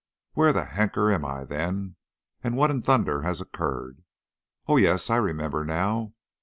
"Where the Henker am I then, and what in thunder has occurred? Oh yes, I remember now.